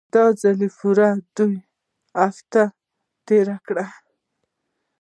دا ځل يې پوره دوې هفتې تېرې کړې.